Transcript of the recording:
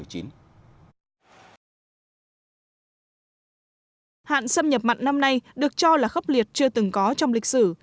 hạn xâm nhập mặn năm nay được cho là khốc liệt chưa từng có trong lịch sử